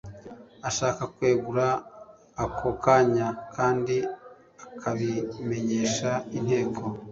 ashaka kwegura ako kanya kandi akabimenyesha Inteko